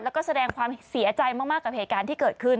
แล้วก็แสดงความเสียใจมากกับเหตุการณ์ที่เกิดขึ้น